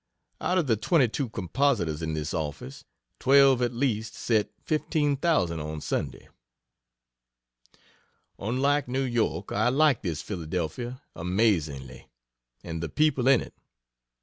Out of the 22 compositors in this office, 12 at least, set 15,000 on Sunday. Unlike New York, I like this Philadelphia amazingly, and the people in it.